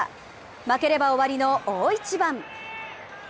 負ければ終わりの大一番。